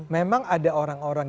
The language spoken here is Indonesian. memang ada orang orang